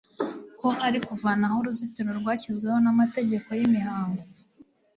ko ari kuvanaho uruzitiro rwashyizweho n'amategeko y'imihango.